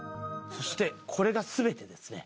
そしてこれが全てですね。